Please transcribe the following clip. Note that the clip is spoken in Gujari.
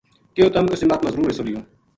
کہیو تم اس جماعت ما ضرور حصو لیوں